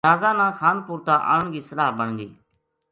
جنازا نا خانپور تا آنن کی صلاح بن گئی